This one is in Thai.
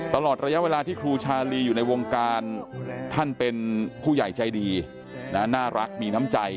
ตลอดระยะเวลาที่ครูชาลีอยู่ในวงการท่านเป็นผู้ใหญ่ใจดีน่ารักมีน้ำใจ